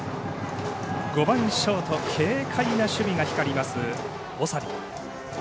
５番ショート軽快な守備が光ります、長利。